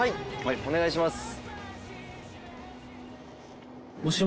お願いします。